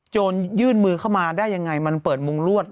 ยื่นมือเข้ามาได้ยังไงมันเปิดมุงรวด